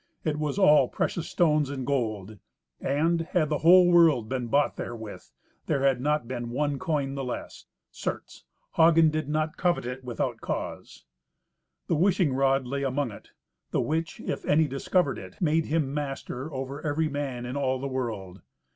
It was all precious stones and gold, and had the whole world been bought therewith, there had not been one coin the less. Certes, Hagen did not covet it without cause. The wishing rod lay among it, the which, if any discovered it, made him master over every man in all the world.